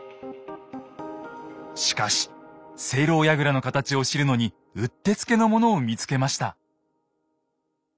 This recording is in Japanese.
しかし井楼やぐらの形を知るのにうってつけのものを見つけました。